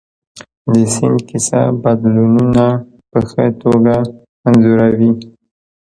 د سیند کیسه بدلونونه په ښه توګه انځوروي.